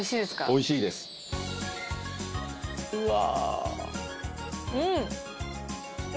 おいしいですうわ